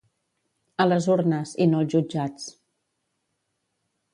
A les urnes, i no als jutjats.